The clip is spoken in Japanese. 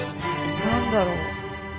何だろう？